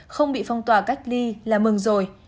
không bị phong tỏa cách ly là mừng rồi